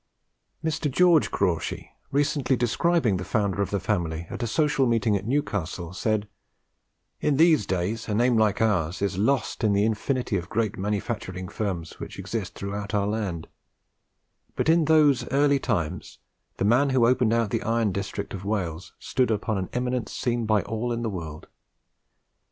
Mr. George Crawshay, recently describing the founder of the family at a social meeting at Newcastle, said, "In these days a name like ours is lost in the infinity of great manufacturing firms which exist through out the land; but in those early times the man who opened out the iron district of Wales stood upon an eminence seen by all the world.